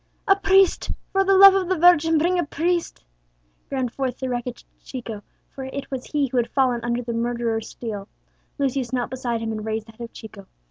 "A priest! for the love of the Virgin, bring a priest!" groaned forth the wretched Chico, for it was he who had fallen under the murderer's steel. Lucius knelt beside him, and raised the head of Chico.